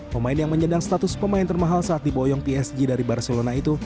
pemain yang menyedang status pemain termahal saat diboyong psg dari barcelona itu